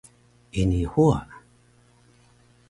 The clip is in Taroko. Ini huwa